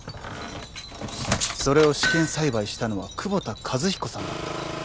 それを試験栽培したのは窪田一彦さんだった。